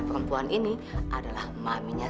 perempuan ini adalah maminya